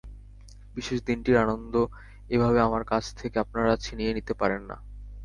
বিশেষ দিনটির আনন্দ এভাবে আমার কাছ থেকে আপনারা ছিনিয়ে নিতে পারেন না।